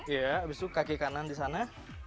iya abis itu kaki kanan di sana